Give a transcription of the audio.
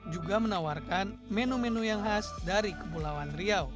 juga menawarkan menu menu yang khas dari kepulauan riau